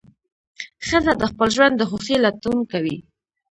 ښځه د خپل ژوند د خوښۍ لټون کوي.